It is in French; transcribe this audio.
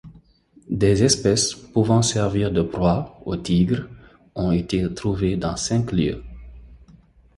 Des espèces pouvant servir de proies aux tigres ont été trouvées dans cinq lieux.